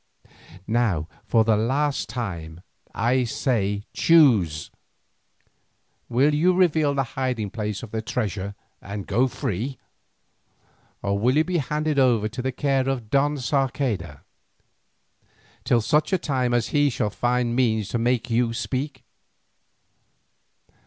Now for the last time I say choose. Will you reveal the hiding place of the treasure and go free, or will you be handed over to the care of Don Sarceda till such time as he shall find means to make you speak?"